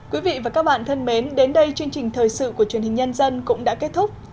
quý vị và các bạn thân mến đến đây chương trình thời sự của truyền hình nhân dân cũng đã kết thúc